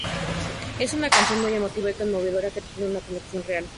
Es una canción muy emotiva y conmovedora que tienen una conexión real"".